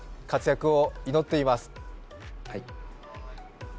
活躍を祈っています。